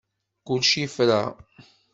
Kullec yefra.